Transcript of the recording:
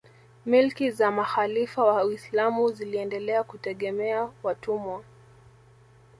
Milki za makhalifa wa Uislamu ziliendelea kutegemea watumwa